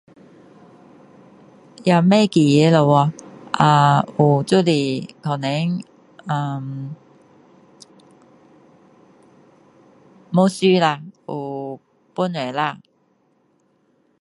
也不记得了咯啊有就是可能呃牧师啦有帮助啦